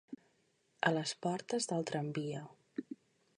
A les portes del tramvia.